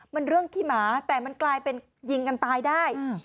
มันเรื่องขี้หมาแต่มันกลายเป็นยิงกันตายได้